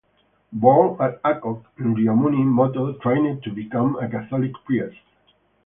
Born at Acock in Rio Muni, Moto trained to become a Catholic priest.